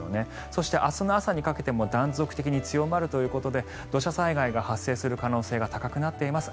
そして明日の朝にかけても断続的に強まるということで土砂災害が発生する可能性が高くなっています。